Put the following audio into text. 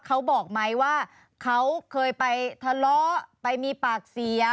เขาบอกไหมว่าเขาเคยไปทะเลาะไปมีปากเสีย